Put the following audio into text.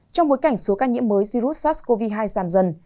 trong bối cảnh số ca nhiễm mới virus sars cov hai giảm dần